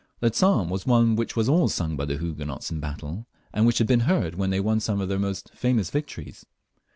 The psalm was one which was always sung by the Huguenots in battle, and which had been heard when they won some of their most famous victories.